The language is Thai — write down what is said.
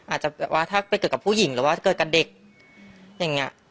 อาจจะแบบว่าถ้าไปเกิดกับผู้หญิงหรือว่าจะเกิดกับเด็กอย่างนี้